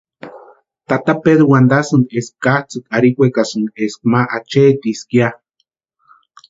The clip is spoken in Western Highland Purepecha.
Tata Pedru wantasïnti eska katsʼïkwa arhikwekasïnka eska ma acheetisïnka ya.